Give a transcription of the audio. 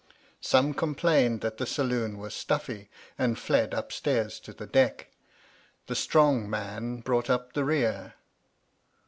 Some complained that the saloon was stuffy, and fled upstairs to the deck. The strong man brought up the rear.